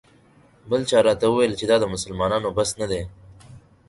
بل چا راته وویل چې دا د مسلمانانو بس نه دی.